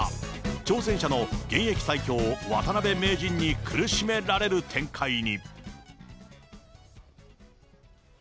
挑戦者の現役最強、渡辺名人に苦しめられる展開に。